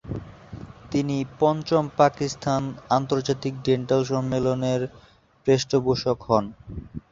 তিনি পঞ্চম পাকিস্তান আন্তর্জাতিক ডেন্টাল সম্মেলনের পৃষ্ঠপোষক হন।